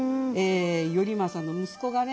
頼政の息子がね